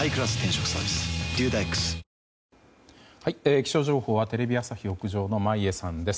気象情報はテレビ朝日屋上の眞家さんです。